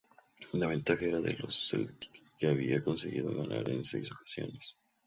La ventaja era de los Celtics que habían conseguido ganar en seis ocasiones.